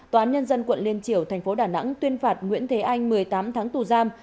tòa án nhân dân quận liên triểu thành phố đà nẵng tuyên phạt nguyễn thế anh một mươi tám tháng tù giam